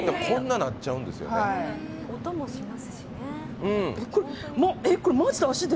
こんななっちゃうんですよね。